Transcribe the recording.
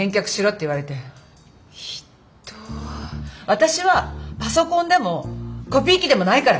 私はパソコンでもコピー機でもないから！